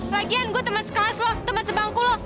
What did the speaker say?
lagian gue temen sekelas lo temen sebangku lo